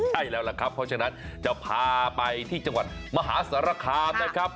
ใช่แล้วล่ะครับเพราะฉะนั้นจะพาไปที่จังหวัดมหาสารคามนะครับ